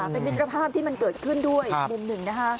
เป็นมิตรภาพที่มันเกิดขึ้นด้วยอีกมุมหนึ่งนะคะ